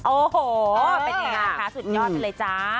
โอ้โหเป็นยังไงคะสุดยอดเป็นไรจ๊ะ